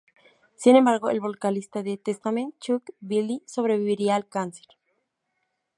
Sin embargo el vocalista de Testament Chuck Billy sobreviviría al cáncer.